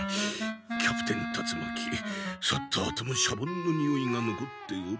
キャプテン達魔鬼去ったあともシャボンのにおいがのこっておる。